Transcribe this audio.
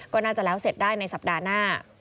ก็น่าจะแล้วเสร็จได้ในสัปดาห์หน้า